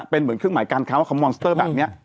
เป็นเหมือนเครื่องหมายการค้าว่าเขามอนสเตอร์แบบนี้